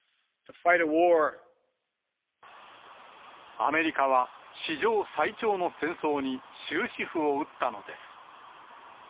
アメリカは史上最長の戦争に終止符を打ったのです。